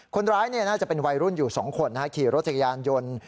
คนร้ายน่าจะเป็นวัยรุ่นอยู่๒คนขี่รถจักรยานยนต์